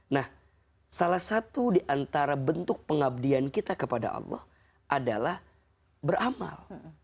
nah salah satu diantara bentuk pengabdian kita kepada allah adalah beramal